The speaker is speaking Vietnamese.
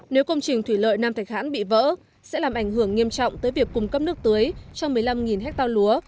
nếu công trình thủy lợi nam thạch hãn bị vỡ sẽ làm ảnh hưởng nghiêm trọng tới việc cung cấp nước tưới cho một mươi năm ha lúa